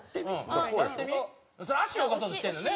それ足動かそうとしてるのよね。